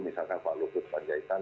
misalkan pak lukut pak jaitan